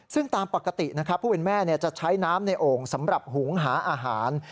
ซึ่งตามปกตินะครับผู้เป็นแม่จะใช้น้ำในโอ่งสำหรับหุงหาอาหาร